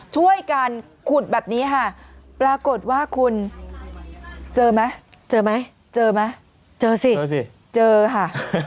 ช่วยกันขุดแบบนี้ค่ะปรากฏว่าคุณเจอไหมเจอไหมเจอไหมเจอสิเจอสิเจอค่ะ